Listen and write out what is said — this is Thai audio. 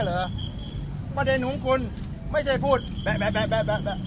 เชื่อเหรอประเด็นของคุณไม่ใช่พูดแบบแบบแบบแบบแบบ